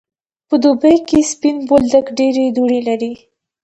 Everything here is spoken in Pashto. په دوبی کی سپین بولدک ډیری دوړی لری.